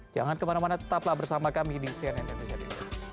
jangan kemana mana tetaplah bersama kami di cnn indonesia news